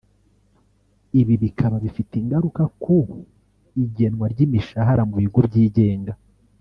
Ibi bikaba bifite ingaruka ku igenwa ry’imishahara mu bigo byigenga